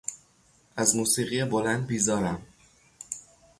از موسیقی بلند بیزارم.